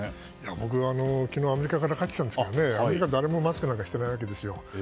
僕も昨日、アメリカから帰ってきたんですけどアメリカは誰もマスクなんかしていないわけですよ。